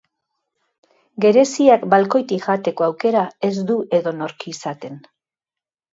Gereziak balkoitik jateko aukera ez du edonork izaten.